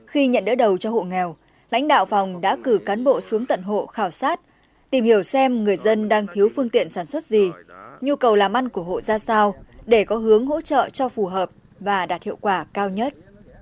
khi nhận đỡ đầu cho hộ nghèo lãnh đạo phòng đã cử cán bộ xuống tận hộ khảo sát tìm hiểu xem người dân đang thiếu phương tiện sản xuất gì nhu cầu làm ăn của hộ ra sao để có hướng hỗ trợ cho phù hợp và đạt hiệu quả cao nhất